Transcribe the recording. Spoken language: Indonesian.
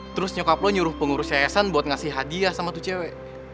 terus nyokap lo nyuruh pengurus yayasan buat ngasih hadiah sama tuh cewek